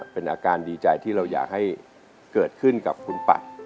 เป็นอาการดีใจที่เราอยากให้เกิดขึ้นกับคุณปัด